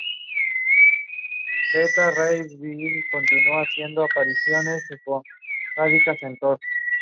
En contrapartida, presentaban una respuesta mucho menos rápida a la luz.